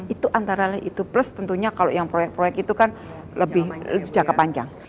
itu antara lain itu plus tentunya kalau yang proyek proyek itu kan lebih jangka panjang